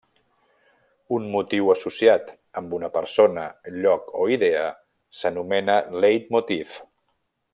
Un motiu associat amb una persona, lloc, o idea s'anomena un leitmotiv.